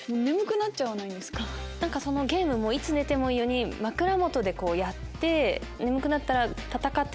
ゲームもいつ寝てもいいように枕元でやって。